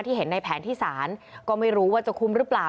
เห็นในแผนที่ศาลก็ไม่รู้ว่าจะคุ้มหรือเปล่า